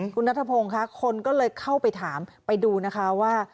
คุณนัทพงศ์ค่ะคนก็เลยเข้าไปถามไปดูนะคะว่า